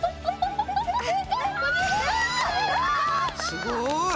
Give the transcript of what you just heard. すごい！